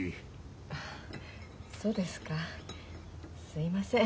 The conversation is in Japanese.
そうですかすいません。